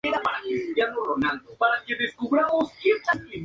La actividad misionera de los franciscanos en Durango presenta dos etapas.